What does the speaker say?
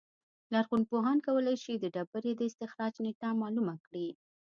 لرغونپوهان کولای شي چې د ډبرې د استخراج نېټه معلومه کړي